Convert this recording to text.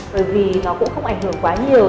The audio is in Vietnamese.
bởi vì nó cũng không ảnh hưởng quá nhiều